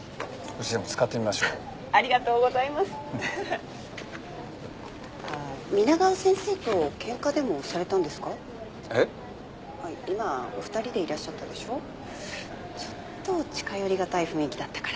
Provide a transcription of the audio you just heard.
ちょっと近寄りがたい雰囲気だったから。